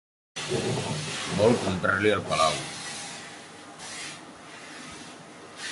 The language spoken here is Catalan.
Vol comprar-li el palau.